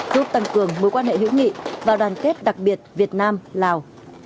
giúp tăng cường mối quan hệ hữu nghị và đoàn kết đặc biệt việt nam lào